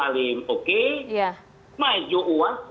asal untuk kebaikan umat dan kemasatan bangsa